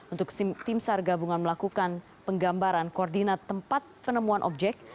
untuk tim sar gabungan melakukan penggambaran koordinat tempat penemuan objek